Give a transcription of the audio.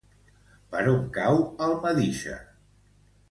Per on cau Almedíxer?